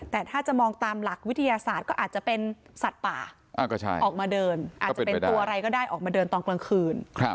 แต่ถ้าจะมองตามหลักวิทยาศาสตร์ก็อาจจะเป็นสัตว์ป่าออกมาเดินอาจจะเป็นตัวอะไรก็ได้ออกมาเดินตอนกลางคืน